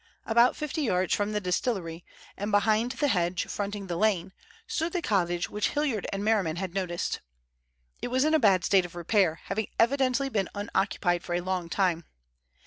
About fifty yards from the distillery, and behind the hedge fronting the lane, stood the cottage which Hilliard and Merriman had noticed. It was in a bad state of repair, having evidently been unoccupied for a long time.